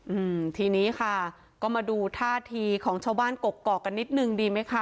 อืมทีนี้ค่ะก็มาดูท่าทีของชาวบ้านกกอกกันนิดนึงดีไหมคะ